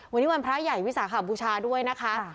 วันนี้วันพระใหญ่วิสาขบูชาด้วยนะคะ